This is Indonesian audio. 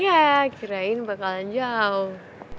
ya kirain bakalan jauh